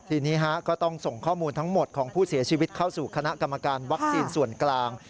ทีนี้ก็ต้องส่งข้อมูลทั้งหมดของผู้เสียชีวิตเข้าสู่คณะกรรมการวัคซีนส่วนกลาง